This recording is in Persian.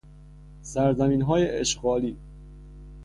سرزمینهای اشغالی